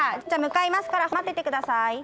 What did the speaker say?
じゃあ向かいますから待ってて下さい。